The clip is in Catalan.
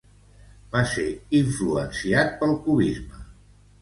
Va ser influenciat pel cubisme.